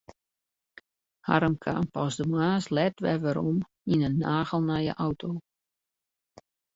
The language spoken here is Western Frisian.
Harm kaam pas de moarns let wer werom yn in nagelnije auto.